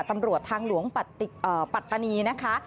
ตำรวจทางหลวงปัตตานีนะคะ